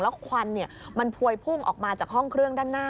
ควันมันพวยพุ่งออกมาจากห้องเครื่องด้านหน้า